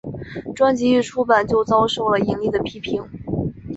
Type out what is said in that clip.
专辑一出版就遭受了严厉的批评。